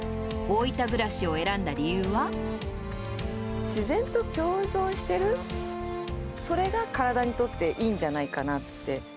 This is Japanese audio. ところで財前さん、大分暮ら自然と共存してる、それが体にとっていいんじゃないかなって。